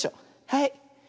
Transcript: はい。